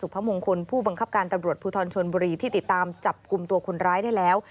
พระมงคลผู้บังคับการตำรวจภูทรชนบุรีที่ติดตามจับกลุ่มตัวคนร้ายได้แล้ว